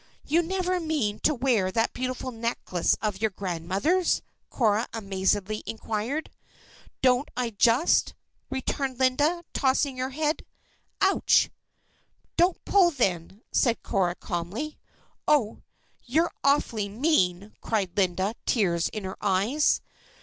"You never mean to wear that beautiful necklace of your grandmother's?" Cora amazedly inquired. "Don't I just?" returned Linda, tossing her head. "Ouch!" "Don't pull, then," said Cora calmly. "Oh! you're awfully mean!" cried Linda, tears in her eyes.